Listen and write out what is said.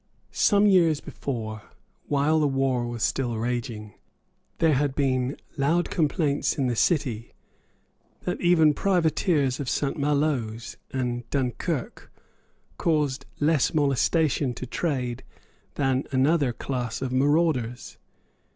Some years before, while the war was still raging, there had been loud complaints in the city that even privateers of St. Malo's and Dunkirk caused less molestation to trade than another class of marauders.